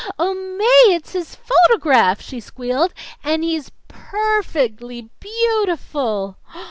"Oh, Mae, it's his photograph!" she squealed. "And he's per fect ly beau ti ful!"